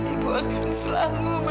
ibu akan selalu mendukung kamu